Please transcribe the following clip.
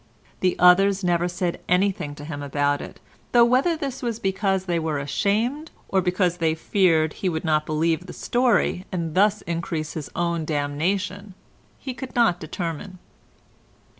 The others never said anything to him about it, though whether this was because they were ashamed, or because they feared he would not believe the story and thus increase his own damnation, he could not determine.